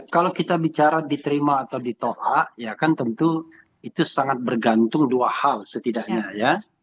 kalau kita bicara diterima atau ditolak ya kan tentu itu sangat bergantung dua hal setidaknya ya